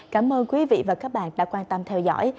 cảm ơn quý vị và các bạn đã quan tâm theo dõi